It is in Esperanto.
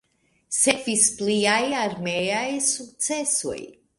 Sekvis pliaj armeaj sukcesoj.